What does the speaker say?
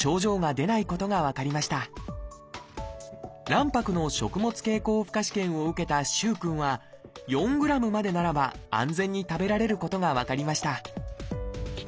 卵白の食物経口負荷試験を受けた萩くんは４ｇまでならば安全に食べられることが分かりました